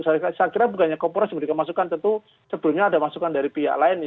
saya kira bukannya komponen sebetulnya ada masukkan dari pihak lain